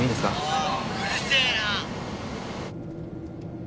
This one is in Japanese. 「うるせえな！」